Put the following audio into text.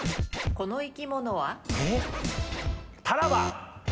この生き物は？